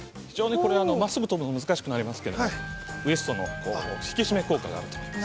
これ、真っすぐ跳ぶの、難しくなりますけれどもウエスト引き締め効果があると思います。